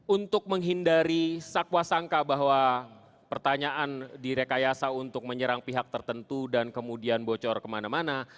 untuk menghindari sakwa sangka bahwa pertanyaan direkayasa untuk menyerang pihak tertentu dan kemudian bocor kemana mana